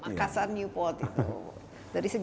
makassar newport itu